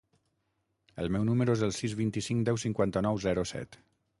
El meu número es el sis, vint-i-cinc, deu, cinquanta-nou, zero, set.